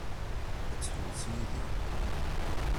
Ad tḥewwes yid-i?